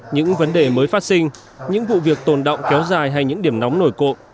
những vấn đề mới phát sinh những vụ việc tồn động kéo dài hay những điểm nóng nổi cộng